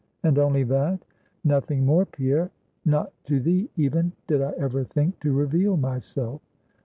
"And only that?" "Nothing more, Pierre; not to thee even, did I ever think to reveal myself."